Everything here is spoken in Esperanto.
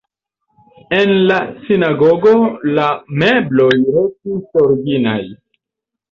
En la sinagogo la mebloj restis originaj.